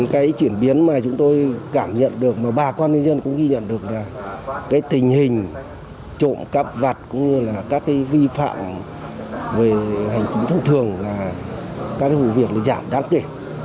cái chuyển biến mà chúng tôi cảm nhận được mà bà con nhân dân cũng ghi nhận được là cái tình hình trộm cắp vặt cũng như là các cái vi phạm về hành chính thông thường là các cái vụ việc giảm đáng kể